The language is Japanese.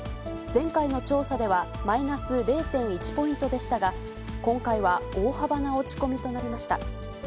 前回の調査では、マイナス０．１ポイントでしたが、今回は大幅な落ち込みとなりました。